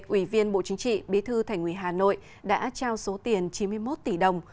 ủy viên bộ chính trị bí thư thành ủy hà nội đã trao số tiền chín mươi một tỷ đồng